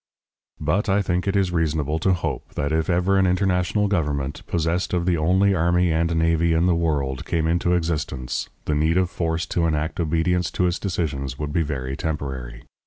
But I think it is reasonable to hope that if ever an international government, possessed of the only army and navy in the world, came into existence, the need of force to enact obedience to its decisions would be very temporary.